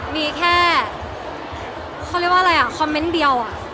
มีแค่คอมเมนต์เดียว